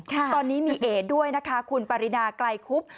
ตอนนี้มีเอ๋ด้วยนะคะคุณปรินาไกลคุบ